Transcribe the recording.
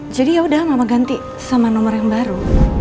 jadi yaudah mama ganti sama nomor yang baru